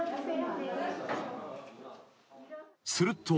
［すると］